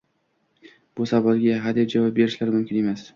bu savolga ha deb javob berishlari mumkin emas.